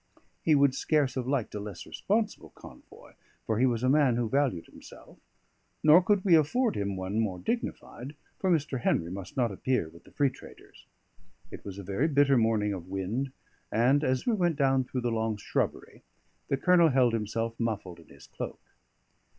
He would scarce have liked a less responsible convoy, for he was a man who valued himself; nor could we afford him one more dignified, for Mr. Henry must not appear with the free traders. It was a very bitter morning of wind, and as we went down through the long shrubbery the Colonel held himself muffled in his cloak.